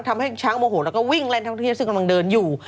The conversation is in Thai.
ทำให้ช้างโมโหแล้วก็วิ่งเล่นท่องเที่ยวซึ่งกำลังเดินอยู่